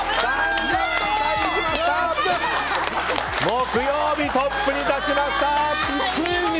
木曜日、トップに立ちました！